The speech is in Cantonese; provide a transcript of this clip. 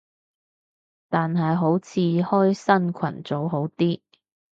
但係好似開新群組好啲